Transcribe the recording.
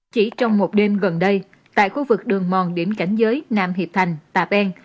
chỉ trong một đêm gần đây tại khu vực đường mòn điểm cảnh giới nam hiệp thành tà peng